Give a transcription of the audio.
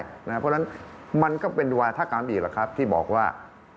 เพราะฉะนั้นมันก็เป็นวาธกรรมอีกแหละครับที่บอกว่า